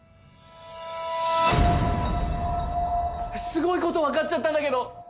すごい事わかっちゃったんだけど！